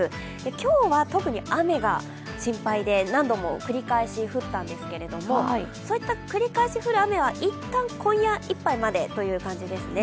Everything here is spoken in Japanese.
今日は特に雨が心配で何度も繰り返し降ったんですがそういった繰り返し降る雨は一旦今夜いっぱいまでという感じですね。